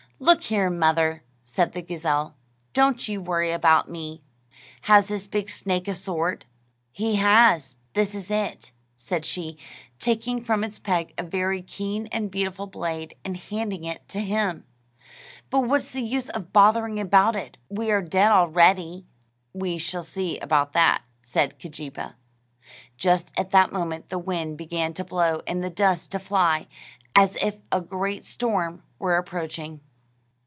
"Look here, mother," said the gazelle, "don't you worry about me. Has this big snake a sword?" "He has. This is it," said she, taking from its peg a very keen and beautiful blade, and handing it to him; "but what's the use in bothering about it? We are dead already." "We shall see about that," said Keejeepaa. Just at that moment the wind began to blow, and the dust to fly, as if a great storm were approaching.